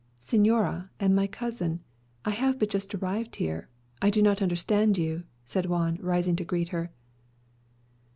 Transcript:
"Señora and my cousin, I have but just arrived here. I do not understand you," said Juan, rising to greet her.